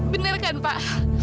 benar kan pak